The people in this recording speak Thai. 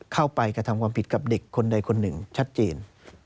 กระทำความผิดกับเด็กคนใดคนหนึ่งชัดเจน